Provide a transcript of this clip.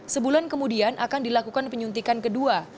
sebulan kemudian akan dilakukan penyuntikan kedua